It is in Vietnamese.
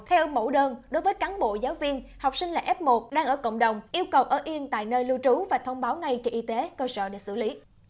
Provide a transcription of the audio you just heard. theo mẫu đơn đối với cán bộ giáo viên học sinh là f một đang ở cộng đồng yêu cầu ở yên tại nơi lưu trú và thông báo ngay cho y tế cơ sở để xử lý